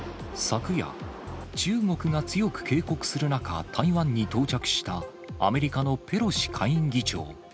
昨夜、中国が強く警告する中、台湾に到着したアメリカのペロシ下院議長。